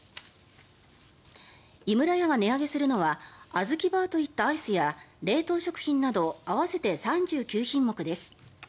井村屋が値上げするのはあずきバーといったアイスや冷凍食品など合わせて３９品目です。